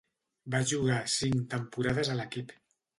Va jugar cinc temporades a l'equip.